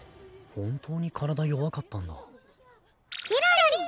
本当に体弱かったんだ。